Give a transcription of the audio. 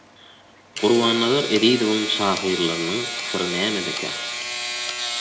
Gurbannazar Ezizowyň şahyrlygynyň syry nämedekä?